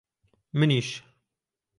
منیش!